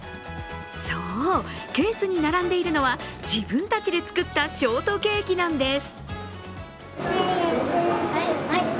そう、ケースに並んでいるのは自分たちで作ったショートケーキなんです。